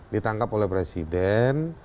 ditangkap oleh presiden